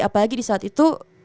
apalagi di saat itu